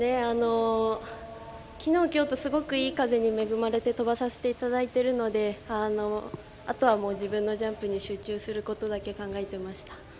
昨日、今日とすごく、いい風に恵まれて飛ばさせていただいているのであとは、自分のジャンプに集中することだけ考えてました。